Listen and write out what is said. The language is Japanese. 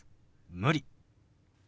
「無理」。